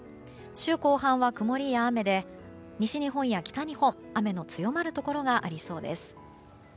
週後半は曇りや雨で西日本や北日本、雨の強まるところがありそうです。